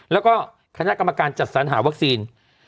แล้วก็คณะกรรมการจัดสรรหาวัคซีน